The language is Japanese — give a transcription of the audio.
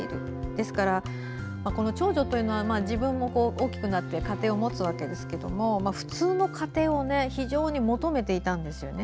ですから、この長女というのは自分も大きくなって家庭を持つわけですが普通の家庭を非常に求めていたんですよね。